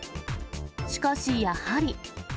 しかし、やはり。